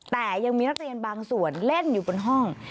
แต่ยังมีนักเรียนบางส่วนเล่นอยู่บนห้อง